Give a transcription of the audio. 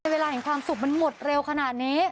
เวลาเห็นความสุขมันหมดเร็วขนาดนี้